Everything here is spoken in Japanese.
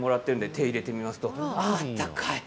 手を入れてみますと、温かい。